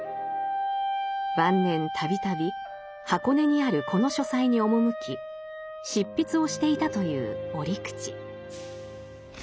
晩年度々箱根にあるこの書斎に赴き執筆をしていたという折口。